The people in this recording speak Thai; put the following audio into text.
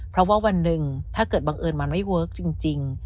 เพราะว่าวันหนึ่งถ้าเกิดบังเอิญมันไม่เวิร์คจริง